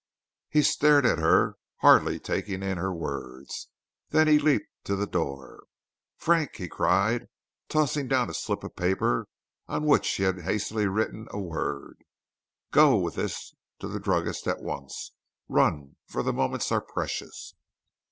He stared at her, hardly taking in her words. Then he leaped to the door. "Frank," he cried, tossing down a slip of paper on which he had hastily written a word, "go with this to the druggist at once! Run, for moments are precious!"